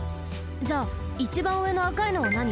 じゃあいちばんうえのあかいのはなに？